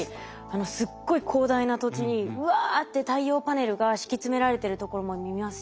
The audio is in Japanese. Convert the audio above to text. すっごい広大な土地にうわって太陽パネルが敷き詰められてるところも見ますし。